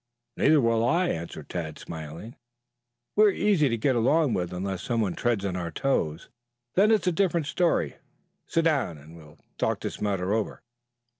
"Neither will I," answered Tad smilingly. "We are easy to get along with unless someone treads on our toes; then it's a different story. Sit down and we will talk this matter over."